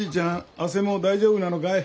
あせも大丈夫なのかい？